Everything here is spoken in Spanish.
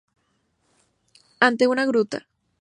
Ante una gruta.